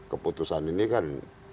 keputusan ini kan